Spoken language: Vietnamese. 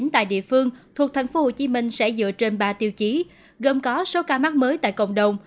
chín tại địa phương thuộc tp hcm sẽ dựa trên ba tiêu chí gồm có số ca mắc mới tại cộng đồng